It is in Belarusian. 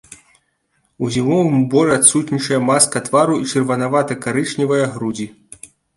У зімовым уборы адсутнічае маска твару і чырванавата-карычневая грудзі.